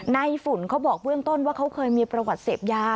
ฝุ่นเขาบอกเบื้องต้นว่าเขาเคยมีประวัติเสพยา